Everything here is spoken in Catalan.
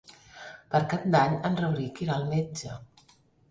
Per Cap d'Any en Rauric irà al metge.